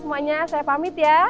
semuanya saya pamit ya